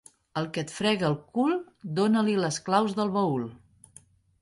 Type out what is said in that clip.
Al que et frega el cul dóna-li les claus del baül.